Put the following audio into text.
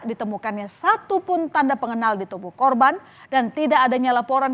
ditemukannya satupun tanda pengenal di tubuh korban dan tidak adanya laporan